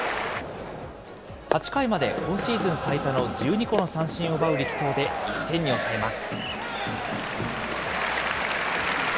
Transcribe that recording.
８回まで今シーズン最多の１２個の三振を奪う力投で、１点に抑えます。